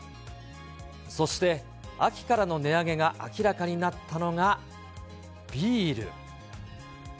そして秋からの値上げが明らかになったのがビール。